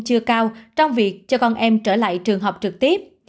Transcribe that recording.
chưa cao trong việc cho con em trở lại trường học trực tiếp